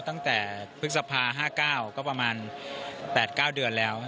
ตั้งแต่พฤษภา๕๙ก็ประมาณ๘๙เดือนแล้ว